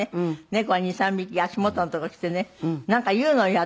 猫が２３匹足元のとこへ来てねなんか言うのよ